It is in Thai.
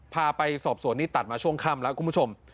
พาไปสอบสวนนี้ตัดมาช่วงค่ำแล้วคุณผู้ชม